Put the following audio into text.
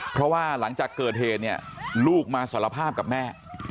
เพราะว่าหลังจากเกิดเหตุเนี่ยลูกมาสารภาพกับแม่